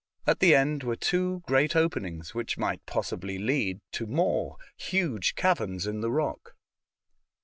At the end were two great openings, which might possibly lead to more huge caverns in the rock.